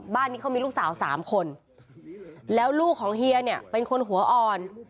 บ้านนี้เขามีลูกสาว๓คนแล้วลูกของเฮียเนี่ยเป็นคนหัวอ่อน